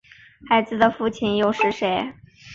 孩子的父亲又是谁？